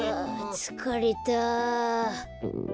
つかれた。